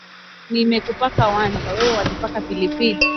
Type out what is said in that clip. Nimekupaka wanja, wewe wanipaka pilipili